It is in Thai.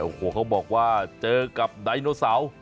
โอ้โหเขาบอกว่าเจอกับไดโนเสาร์